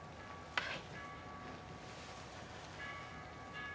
はい。